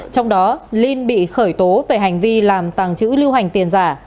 trong đó linh bị khởi tố về hành vi làm tàng trữ lưu hành tiền giả